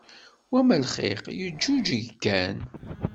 Wamma lxiq yeǧǧuǧug kan.